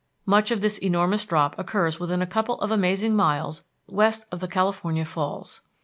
Much of this enormous drop occurs within a couple of amazing miles west of the California Falls.